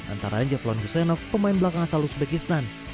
antara jevlon gusenov pemain belakang asal uzbekistan